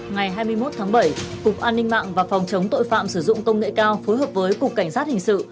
ngày hai mươi một tháng bảy cục an ninh mạng và phòng chống tội phạm sử dụng công nghệ cao phối hợp với cục cảnh sát hình sự